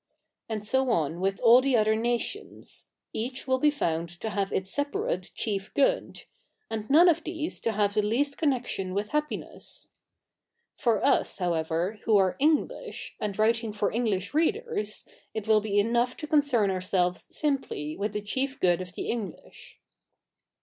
And so on with all the other nations : each will be found to have its separate chief good ; and none of these to have the least connection with happiness. For us, however, who are English, a/id writing for English readers, it will be enough to coticern ourselves simply with the chief good of the English.